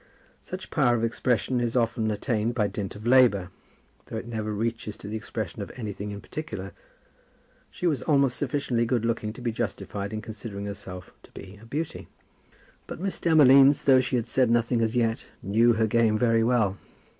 Such power of expression is often attained by dint of labour, though it never reaches to the expression of anything in particular. She was almost sufficiently good looking to be justified in considering herself to be a beauty. But Miss Demolines, though she had said nothing as yet, knew her game very well.